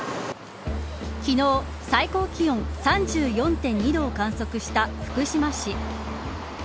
昨日、最高気温３４．２度を観測した福島市。